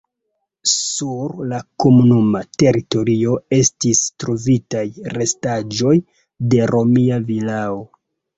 Sur la komunuma teritorio estis trovitaj restaĵoj de romia vilao.